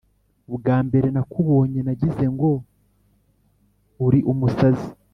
ubwambere nakubonye nagizengo uri umusazi,